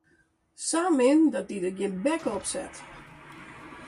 Sa min dat dy der gjin bek op set.